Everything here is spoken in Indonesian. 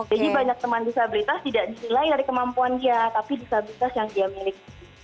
jadi banyak teman disabilitas tidak disilai dari kemampuan dia tapi disabilitas yang dia miliki